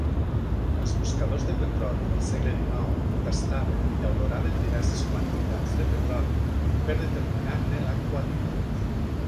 Els buscadors de petroli del segle dinou tastaven i oloraven diverses quantitats de petroli per determinar-ne la qualitat.